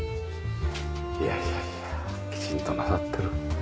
いやいやいやきちんと並んでる。